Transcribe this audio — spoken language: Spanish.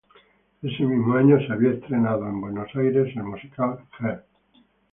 Ese mismo año se había estrenado en Buenos Aires el musical "Hair".